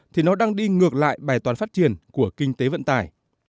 thì nó đang đi ngược lại bài toán phát triển của kinh tế vận tải